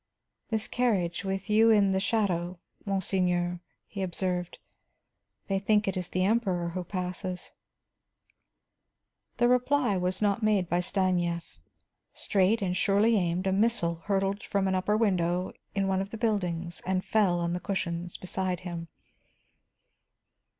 "This carriage, and with you in the shadow, monseigneur," he observed, "they think it is the Emperor who passes." The reply was not made by Stanief. Straight and surely aimed, a missile hurtled from an upper window in one of the buildings and fell on the cushions beside him.